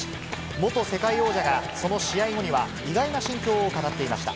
元世界王者がその試合後には、意外な心境を語っていました。